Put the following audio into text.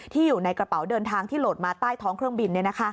อยู่ในกระเป๋าเดินทางที่โหลดมาใต้ท้องเครื่องบิน